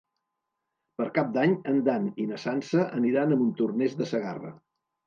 Per Cap d'Any en Dan i na Sança aniran a Montornès de Segarra.